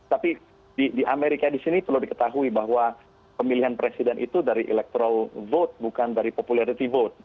tapi di amerika di sini perlu diketahui bahwa pemilihan presiden itu dari electoral vote bukan dari popularity vote